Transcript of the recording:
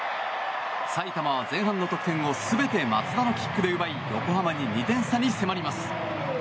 埼玉は前半の得点を全て松田のキックで奪い横浜に２点差に迫ります。